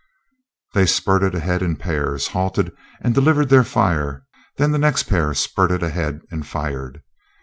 They spurted ahead in pairs, halted, and delivered their fire; then the next pair spurted ahead and fired.